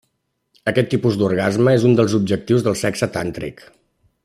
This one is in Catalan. Aquest tipus d'orgasme és un dels objectius del sexe tàntric.